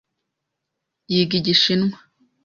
Yiga Igishinwa.